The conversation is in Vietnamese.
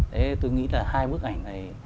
thế tôi nghĩ là